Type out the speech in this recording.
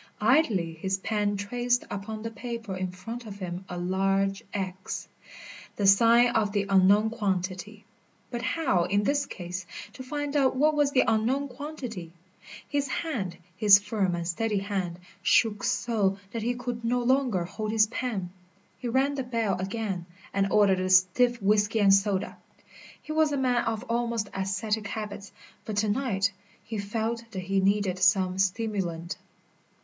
Idly his pen traced upon the paper in front of him a large X, the sign of the unknown quantity. But how, in this case, to find out what was the unknown quantity? His hand, his firm and steady hand, shook so that he could no longer hold his pen. He rang the bell again and ordered a stiff whisky and soda. He was a man of almost ascetic habits, but to night he felt that he needed some stimulant.